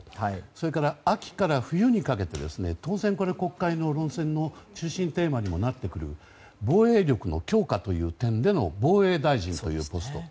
それから秋から冬にかけて当然、国会の論戦の中心テーマにもなってくる防衛力の強化という点での防衛大臣というポスト。